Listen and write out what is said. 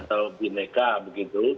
atau bineka begitu